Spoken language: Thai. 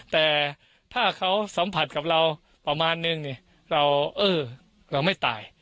แต่ถ้าเขาสัมผัสกับเราประมาณนึงเราเออเราไม่ตาย